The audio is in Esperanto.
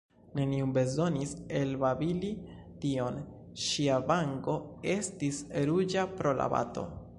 Neniu bezonis elbabili tion; ŝia vango estis ruĝa pro la bato.